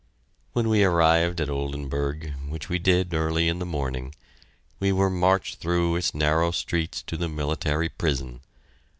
When we arrived at Oldenburg, which we did early in the morning, we were marched through its narrow streets to the military prison.